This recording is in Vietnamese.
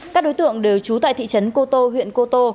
các đối tượng đều trú tại thị trấn cô tô huyện cô tô